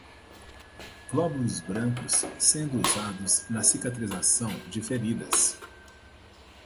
Glóbulos brancos sendo usados na cicatrização de feridas